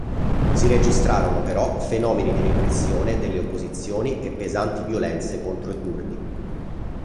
Si registrarono però fenomeni di repressione delle opposizioni e pesanti violenze contro i curdi.